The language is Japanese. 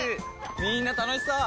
みんな楽しそう！